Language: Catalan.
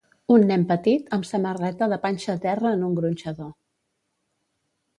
Un nen petit amb samarreta de panxa a terra en un gronxador.